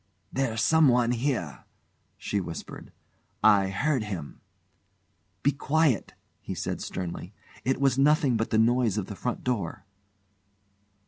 "There's someone here," she whispered; "I heard him." "Be quiet!" he said sternly. "It was nothing but the noise of the front door."